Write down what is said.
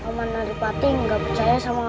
paman naripati gak percaya sama